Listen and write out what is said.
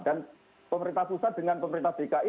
pemerintah pusat dengan pemerintah dki